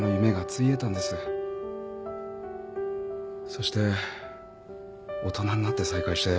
そして大人になって再会して。